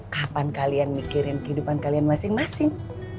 kapan kalian mikirin kehidupan kalian masing masing